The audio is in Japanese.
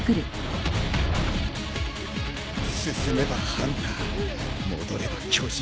進めばハンター戻れば巨人か。